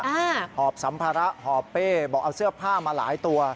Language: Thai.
หอบสัมภาระหอบเป้บอกเอาเสื้อผ้ามาหลายตัว